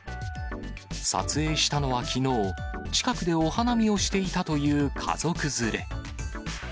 撮影したのはきのう、近くでお花見をしていたという家族連れ。